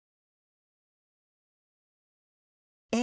え？